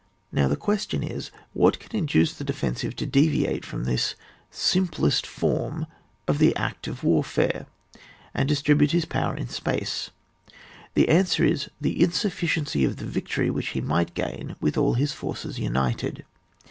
Now the question is, what can induce the defensive to deviate from this sim plest form of the act of warfare, and dis tribute his power in space ? The answer is, the insufficiency of the victory which he might gain with all his forces united.